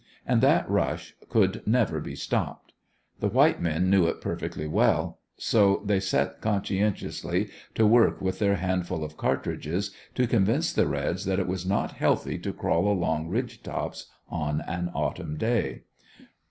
And that rush could never be stopped. The white men knew it perfectly well, so they set conscientiously to work with their handful of cartridges to convince the reds that it is not healthy to crawl along ridge tops on an autumn day.